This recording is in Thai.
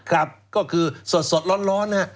ครับก็คือสดร้อนค่ะ